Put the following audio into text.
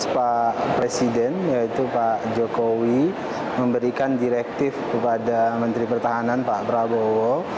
pak presiden yaitu pak jokowi memberikan direktif kepada menteri pertahanan pak prabowo